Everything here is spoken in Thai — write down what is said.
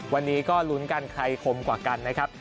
วันนี้ก็ลุ้นกันใครคมกว่ากันนะครับ